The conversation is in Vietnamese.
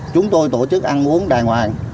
chúng tôi tổ chức ăn uống đài ngoài